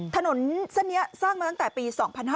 ถนนเส้นนี้สร้างมาตั้งแต่ปี๒๕๕๙